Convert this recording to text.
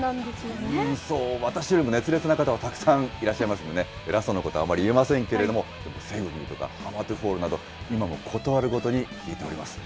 私よりも熱烈な方はたくさんいらっしゃいますんでね、偉そうなことはあまり言えませんけれども、とか、など、今も事あるごとに聴いております。